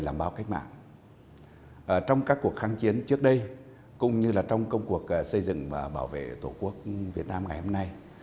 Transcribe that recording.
làm báo cách mạng trong các cuộc kháng chiến trước đây cũng như là trong công cuộc xây dựng và bảo vệ tổ quốc việt nam ngày hôm nay